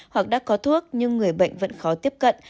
hoặc đã có thuốc nhưng người bệnh vẫn khó tiếp cận